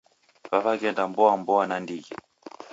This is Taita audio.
W'aw'eghenda mboa mboa nandighi